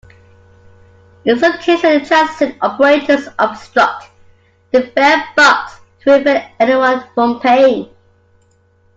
In some cases, transit operators obstruct the fare box to prevent anyone from paying.